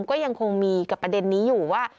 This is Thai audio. ก็ยังคงมีกับประเด็นนี้อยู่ว่า